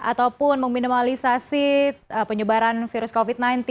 ataupun meminimalisasi penyebaran virus covid sembilan belas